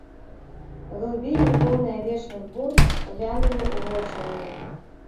Глыбіні, поўныя вечных бур, глянулі ў вочы мне.